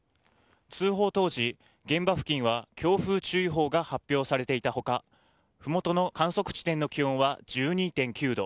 通報当時、現場付近は強風注意報が発表されていた他麓の観測地点の気温は１２．９度。